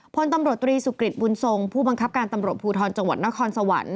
พลตำรวจตรีสุกริตบุญทรงผู้บังคับการตำรวจภูทรจังหวัดนครสวรรค์